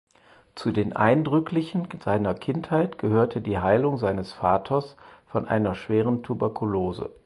Zu den eindrücklichen seiner Kindheit gehörte die Heilung seines Vaters von einer schweren Tuberkulose.